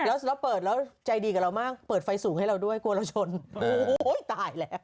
แล้วเราเปิดแล้วใจดีกับเรามากเปิดไฟสูงให้เราด้วยกลัวเราชนโอ้โหตายแล้ว